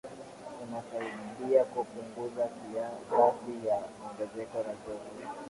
unasaidia kupunguza kasi ya ongezeko la joto